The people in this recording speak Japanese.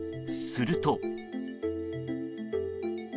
すると。